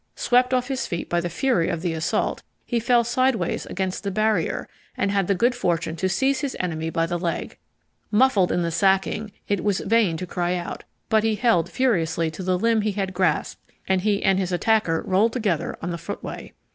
Swept off his feet by the fury of the assault, he fell sideways against the barrier and had the good fortune to seize his enemy by the leg. Muffled in the sacking, it was vain to cry out; but he held furiously to the limb he had grasped and he and his attacker rolled together on the footway.